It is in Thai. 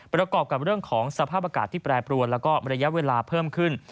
ประกอบกับเรื่องของสภาพอากาศที่แปรปรวนแล้วก็ระยะเวลาเพิ่มขึ้น